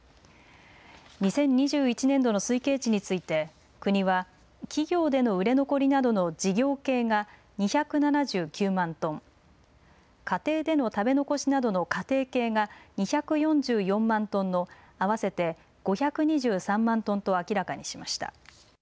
２０２１年度の推計値について国は企業での売れ残りなどの事業系が２７９万トン、家庭での食べ残しなどの家庭系が２４４万トンの合わせて５２３万トンと明らかにしました。